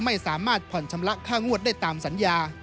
ไม่สามารถผ่อนชำระค่างวดได้ตามสัญญา